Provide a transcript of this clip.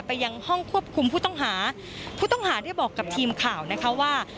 ยังห้องควบคุมผู้ต้องหาผู้ต้องหาได้บอกกับทีมข่าวนะคะว่า